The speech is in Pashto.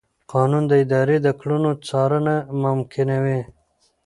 قانون د ادارې د کړنو څارنه ممکنوي.